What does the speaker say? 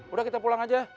udah kita pulang aja